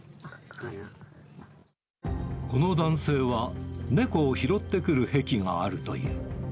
この男性は、猫を拾ってくる癖があるという。